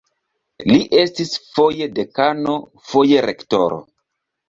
Li estis foje dekano, foje rektoro.